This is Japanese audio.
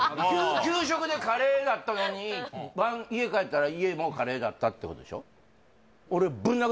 給食でカレーだったのに晩家帰ったら家もカレーだったってことでしょ？